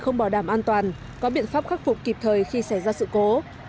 không bảo đảm an toàn có biện pháp khắc phục kịp thời khi xảy ra sự cố